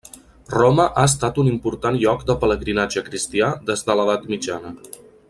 Roma ha estat un important lloc de pelegrinatge cristià des de l'Edat Mitjana.